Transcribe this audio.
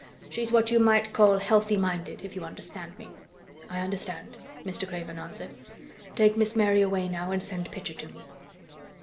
She's what you might call healthy minded—if you understand me." "I understand," Mr. Craven answered. "Take Miss Mary away now and send Pitcher to me."